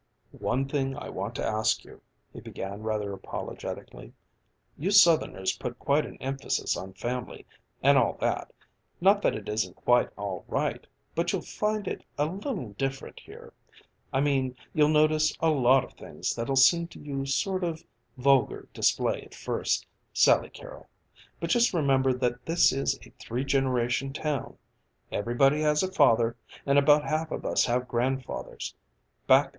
"One thing I want to ask you," he began rather apologetically; "you Southerners put quite an emphasis on family, and all that not that it isn't quite all right, but you'll find it a little different here. I mean you'll notice a lot of things that'll seem to you sort of vulgar display at first, Sally Carrol; but just remember that this is a three generation town. Everybody has a father, and about half of us have grandfathers.